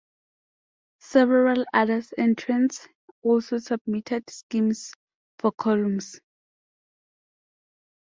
Several other entrants also submitted schemes for columns.